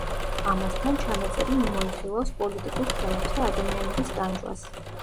ამასთან, ჩანაწერი მიმოიხილავს პოლიტიკურ თემებს და ადამიანების ტანჯვას.